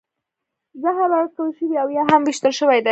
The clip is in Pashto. زهر ورکړل شوي او یا هم ویشتل شوي دي